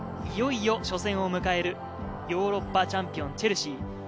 いよいよ初戦を迎えるヨーロッパチャンピオン、チェルシー。